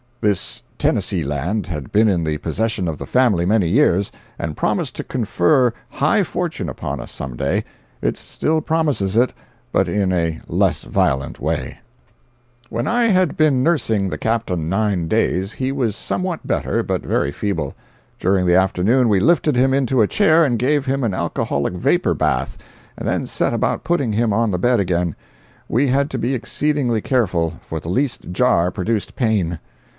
[This Tennessee land had been in the possession of the family many years, and promised to confer high fortune upon us some day; it still promises it, but in a less violent way.] 287.jpg (69K) When I had been nursing the Captain nine days he was somewhat better, but very feeble. During the afternoon we lifted him into a chair and gave him an alcoholic vapor bath, and then set about putting him on the bed again. We had to be exceedingly careful, for the least jar produced pain.